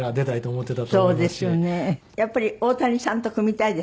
やっぱり大谷さんと組みたいですかね？